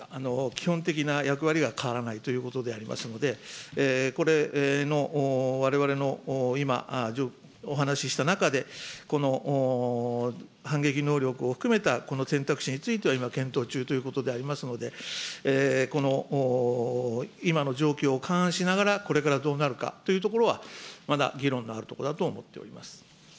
基本的な役割は変わらないということでありますので、これのわれわれの今、お話しした中で、この反撃能力を含めた、この選択肢については、今検討中ということでありますので、この今の状況を勘案しながら、これからどうなるかというところは、まだ議論のある福山哲郎君。